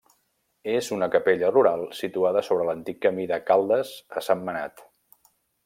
És una capella rural situada sobre l'antic camí de Caldes a Sentmenat.